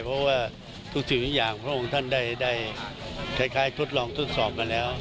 เพราะว่าทุกสิ่งทุกอย่างพระองค์ท่านได้คล้ายทดลองทดสอบกันแล้ว